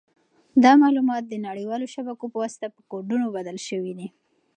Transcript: دا معلومات د نړیوالو شبکو په واسطه په کوډونو بدل شوي دي.